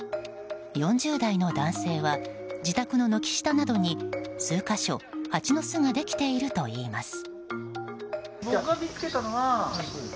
４０代の男性は自宅の軒下などに数か所ハチの巣ができているといいます。